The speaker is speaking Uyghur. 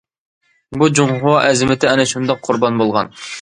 بۇ جۇڭخۇا ئەزىمىتى ئەنە شۇنداق قۇربان بولغان.